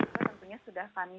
tentunya sudah kami